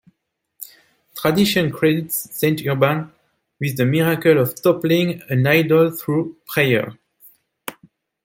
Tradition credits Saint Urban with the miracle of toppling an idol through prayer.